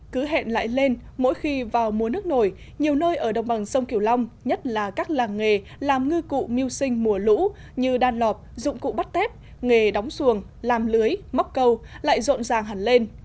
cứ hẹn lại lên mỗi khi vào mùa nước nổi nhiều nơi ở đồng bằng sông kiểu long nhất là các làng nghề làm ngư cụ miêu sinh mùa lũ như đan lọp dụng cụ bắt tép nghề đóng xuồng làm lưới móc câu lại rộn ràng hẳn lên